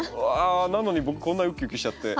なのに僕こんなウキウキしちゃって。